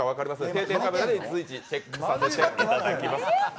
定点カメラで随時チェックしていきます。